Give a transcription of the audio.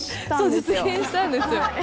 そう実現したんですよ。